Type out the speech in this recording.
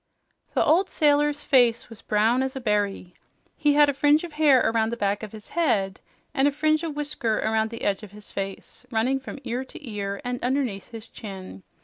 The old sailor's face was brown as a berry. He had a fringe of hair around the back of his head and a fringe of whisker around the edge of his face, running from ear to ear and underneath his chin.